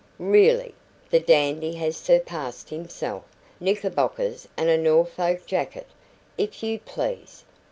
"Really, the dandy has surpassed himself. Knickerbockers and a Norfolk jacket, if you please!